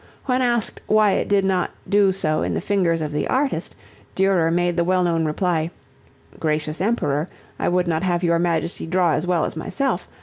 When asked why it did not do so in the fingers of the artist, Durer made the well known reply, "Gracious Emperor, I would not have your majesty draw as well as myself.